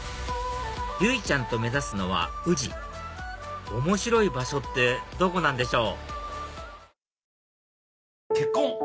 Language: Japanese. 由依ちゃんと目指すのは宇治面白い場所ってどこなんでしょう？